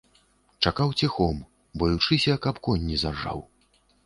Чакаў ціхом, баючыся, каб конь не заржаў.